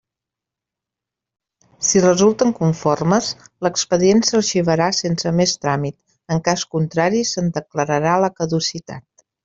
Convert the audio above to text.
Si resulten conformes, l'expedient s'arxivarà sense més tràmit; en cas contrari se'n declararà la caducitat.